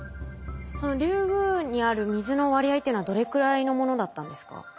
そのリュウグウにある水の割合っていうのはどれくらいのものだったんですか？